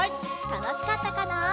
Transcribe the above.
たのしかったかな？